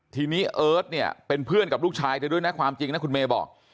ทีนี้เอิร์ทเนี่ยเป็นเพื่อนกับลูกชายเธอด้วยนะความจริงนะคุณเมย์บอก